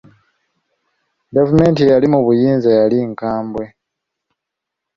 Gavumenti eyali eri mu buyinza yali nkambwe.